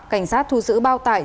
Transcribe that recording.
cảnh sát thu giữ bao tải